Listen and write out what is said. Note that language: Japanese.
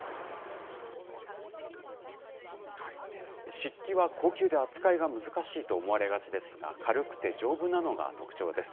漆器は高級で扱いが難しいと思われがちですが、軽くて丈夫なのが特徴です。